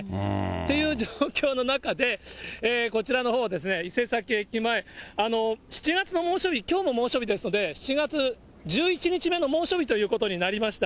という状況の中で、こちらのほうは伊勢崎駅前、７月の猛暑日、きょうも猛暑日ですので、７月、１１日目の猛暑日ということになりました。